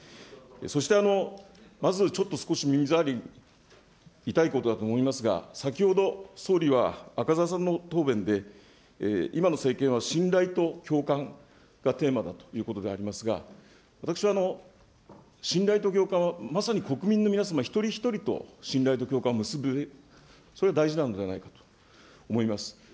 そしてまずちょっと少し耳障り、痛いことだと思いますが、先ほど、総理は赤澤さんの答弁で、今の政権は信頼と共感がテーマだということでありますが、私は信頼と共感はまさに国民の皆様一人一人と信頼と共感を結ぶ、それが大事なのではないかと思います。